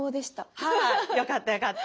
はいよかったよかった。